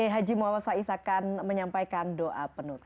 haji muhammad faiz akan menyampaikan doa penuh